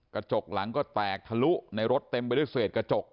กระจกหลังก็แตกทะลุในรถเต็มไปด้วยเศษกระจก